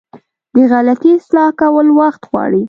د غلطي اصلاح کول وخت غواړي.